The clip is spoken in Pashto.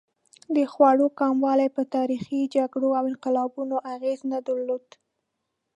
د خوړو کموالی په تاریخي جګړو او انقلابونو اغېز نه درلود.